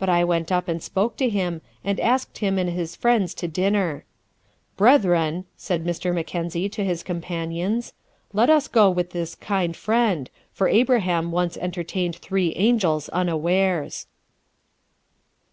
But I went up and spoke to him, and asked him and his friends to dinner. 'Brethren,' said Mr. Mackenzie to his companions, 'let us go with this kind friend, for Abraham once entertained three angels unawares.'"